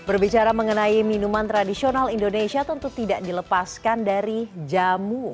berbicara mengenai minuman tradisional indonesia tentu tidak dilepaskan dari jamu